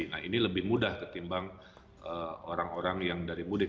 nah ini lebih mudah ketimbang orang orang yang dari mudik